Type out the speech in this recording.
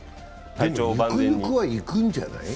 ゆくゆくは行くんじゃない？